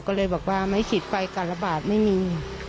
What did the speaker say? ก็เลยบอกว่าไม่ฉีดไฟการระบาดไม่มี